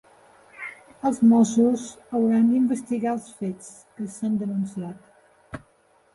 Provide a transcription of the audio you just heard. Els Mossos hauran d'investigar els fets que s'han denunciat.